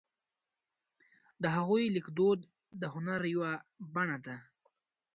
د هغوی لیکدود د هنر یوه بڼه ده.